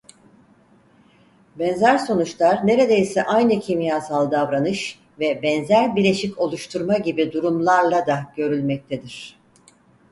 Benzer sonuçlar neredeyse aynı kimyasal davranış ve benzer bileşik oluşturma gibi durumlarla da görülmektedir.